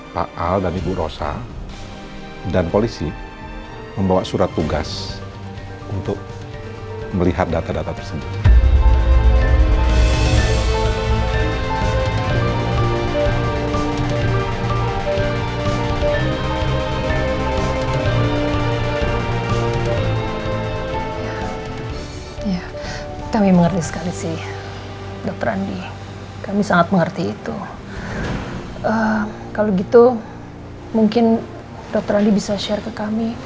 pak ayo dong pengembut sedikit lagi pak